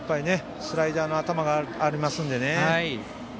スライダーが頭にありますので。